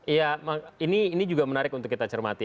iya ini juga menarik untuk kita cermati